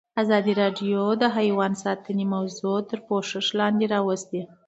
ازادي راډیو د حیوان ساتنه موضوع تر پوښښ لاندې راوستې.